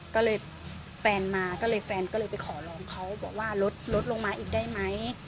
ก็เลยแฟนมาก็เลยแฟนก็เลยไปขอร้องเขาบอกว่าลดลงมาอีกได้ไหม